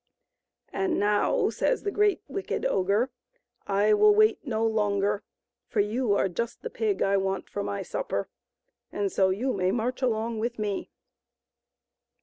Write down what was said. "And now," says the great, wicked ogre, "I will wait no longer, for you are just the pig I want for my supper, and so you may march along with me."